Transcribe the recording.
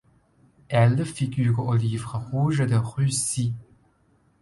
Elle figure au Livre rouge de Russie.